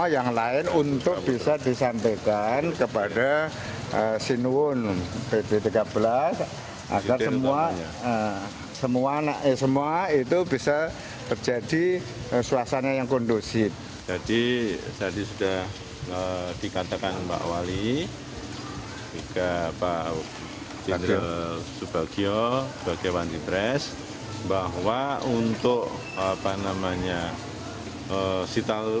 yang kedua beberapa hal tadi disampaikan dari gusti buker